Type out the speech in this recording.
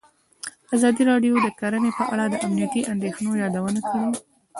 ازادي راډیو د کرهنه په اړه د امنیتي اندېښنو یادونه کړې.